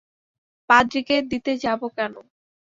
পাদ্রিকে দিতে যাব কেন!